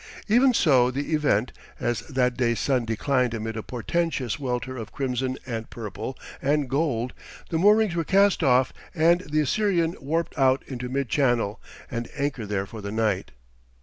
Even so the event: as that day's sun declined amid a portentous welter of crimson and purple and gold, the moorings were cast off and the Assyrian warped out into mid channel and anchored there for the night.